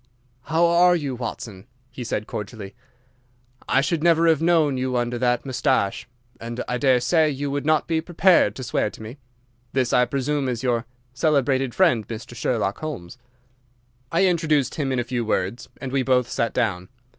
"How are you, Watson?" said he, cordially. "I should never have known you under that moustache, and I daresay you would not be prepared to swear to me. This I presume is your celebrated friend, Mr. Sherlock Holmes?" I introduced him in a few words, and we both sat down.